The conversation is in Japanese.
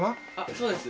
そうです。